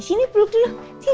sini peluk dulu